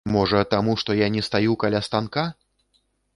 Можа, таму, што я не стаю каля станка?!